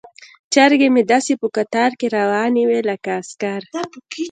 چرګې مې داسې په قطار کې روانې وي لکه عسکر.